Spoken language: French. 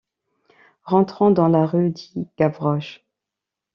Rentrons dans la rue, dit Gavroche.